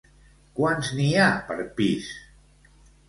Quants n'hi ha per pis?